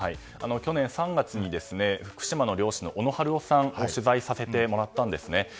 去年３月に福島の漁師の小野春雄さんを取材させてもらったんですね。